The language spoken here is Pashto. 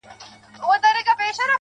چي په دنيا کي محبت غواړمه.